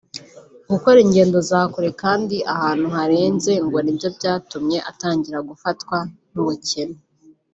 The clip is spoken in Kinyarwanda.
gukora ingendo za kure kandi ahantu hahenze ngo ni byo byatumye atangira gufatwa n’ubukene